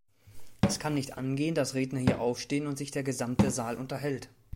Es kann nicht angehen, dass Redner hier aufstehen und sich der gesamte Saal unterhält.